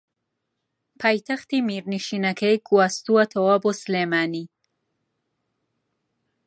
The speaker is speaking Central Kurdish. پایتەختی میرنشینەکەی گواستووەتەوە بۆ سلێمانی